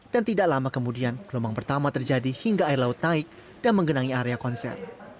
dan tidak lama kemudian gelombang pertama terjadi hingga air laut naik dan menggenangi area konser